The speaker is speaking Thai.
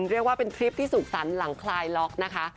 เรียกว่าเป็นทริปที่สุขสรรค์หลังคลายล็อกนะคะ